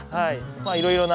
まあいろいろな。